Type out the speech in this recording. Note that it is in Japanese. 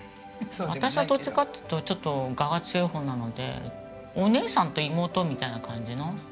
私はどっちかというとちょっと我が強い方なのでお姉さんと妹みたいな感じの。